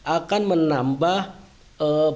akan menambah fungsi